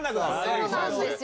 そうなんですよ。